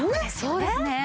そうですね。